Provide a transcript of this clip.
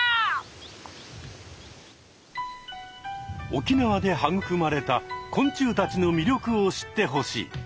沖縄で育まれた昆虫たちのみりょくを知ってほしい！